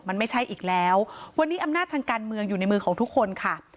มันไม่ใช่อีกแล้ววันนี้อำนาจทางการเมืองอยู่ในมือของทุกคนค่ะ